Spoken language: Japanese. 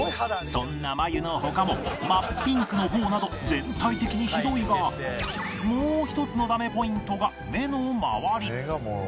そんな眉の他も真っピンクの頬など全体的にひどいがもう１つのダメポイントが目の周り